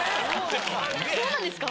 そうなんですか？